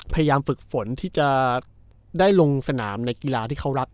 ฝึกฝนที่จะได้ลงสนามในกีฬาที่เขารัก